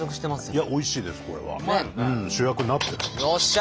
いやおいしいですこれは。よっしゃ！